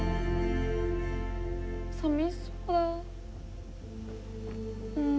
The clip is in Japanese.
さみしそう。